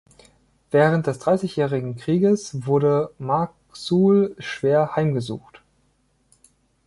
Während des Dreißigjährigen Krieges wurde Marksuhl schwer heimgesucht.